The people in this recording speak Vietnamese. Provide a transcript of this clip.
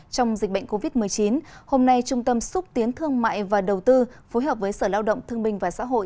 trong dịch bệnh covid một mươi chín hôm nay trung tâm xúc tiến thương mại và đầu tư phối hợp với sở lao động thương minh và xã hội